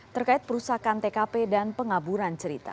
terkait perusakan tkp dan pengaburan cerita